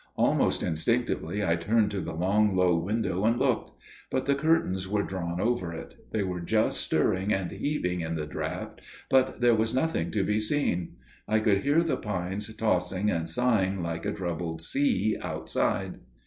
Almost instinctively I turned to the long low window and looked. But the curtains were drawn over it: they were just stirring and heaving in the draught, but there was nothing to be seen. I could hear the pines tossing and sighing like a troubled sea outside.